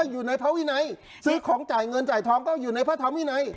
อยู่ในพระวินัยซื้อของจ่ายเงินจ่ายทองก็อยู่ในพระธรรมวินัย